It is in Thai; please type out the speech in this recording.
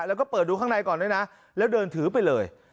แล้วก็เปิดดูข้างในก่อนด้วยนะแล้วเดินถือไปเลย